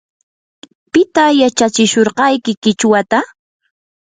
¿pitaq yachatsishurqayki qichwata?